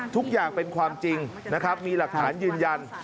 ทุกอย่างเป็นความจริงนะครับมีหลักฐานยืนยัน